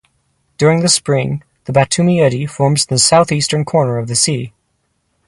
During the spring, the Batumi eddy forms in the southeastern corner of the sea.